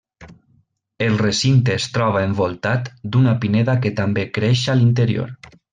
El recinte es troba envoltat d'una pineda que també creix a l'interior.